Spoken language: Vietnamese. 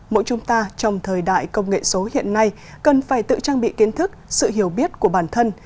mỗi chúng ta trong thời đại công nghệ số hiện nay cần phải tự trang bị kiến thức sự hiểu biết của bản thân